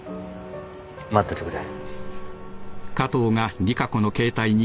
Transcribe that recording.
待っててくれ。